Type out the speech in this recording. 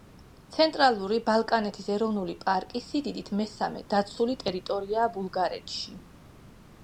ცენტრალური ბალკანეთის ეროვნული პარკი სიდიდით მესამე დაცული ტერიტორიაა ბულგარეთში.